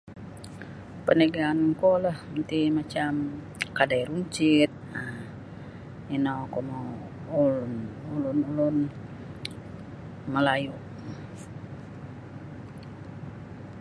peniagaan kuo lah nuiti macam um kadai runcit um ino oku mau ulun-ulun ulun um malayu